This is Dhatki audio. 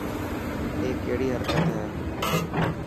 اي ڪهڙي حرڪت هي.